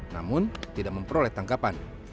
namun tidak memperoleh tangkapan